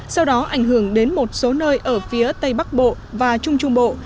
sau đó ảnh hưởng đến một số nơi ở phía tây bắc bộ và trung trung bộ